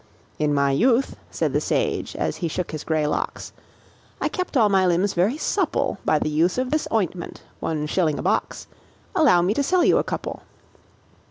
"In my youth," said the sage, as he shook his grey locks, "I kept all my limbs very supple By the use of this ointment one shilling a box Allow me to sell you a couple?"